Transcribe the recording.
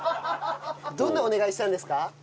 どんなお願いしたんですか？